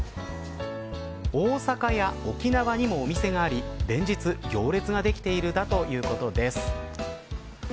大阪や沖縄にも、お店があり連日、行列ができているということです。